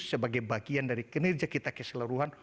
sebagai bagian dari kinerja kita keseluruhan